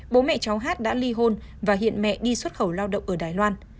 bố mẹ cháu hát đã ly hôn và hiện mẹ đi xuất khẩu lao động ở đài loan